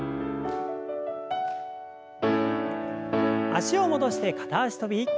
脚を戻して片脚跳び。